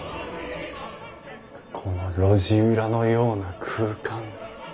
この路地裏のような空間。